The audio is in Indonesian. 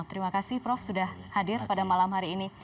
terima kasih prof sudah hadir pada malam hari ini